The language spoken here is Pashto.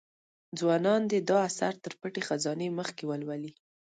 ځوانان دي دا اثر تر پټې خزانې مخکې ولولي.